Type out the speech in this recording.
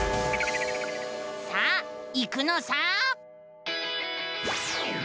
さあ行くのさ！